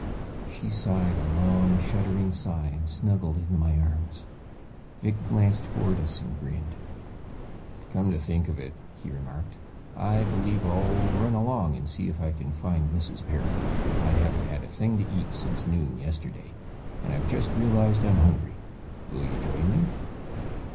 She sighed, a long, shuddering sigh, and snuggled into my arms. Vic glanced towards us and grinned. "Come to think of it," he remarked, "I believe I'll run along and see if I can find Mrs. Perrin. I haven't had a thing to eat since noon yesterday, and I've just realized I'm hungry. Will you join me?"